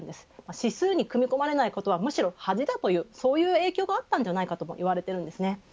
指数に組み込まれないことはむしろ恥だというそういう影響があったともいわれています。